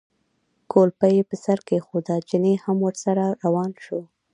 کولپۍ یې پر سر کېښوده، چيني هم ورسره روان شو.